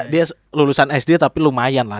dia lulusan sd tapi lumayan lah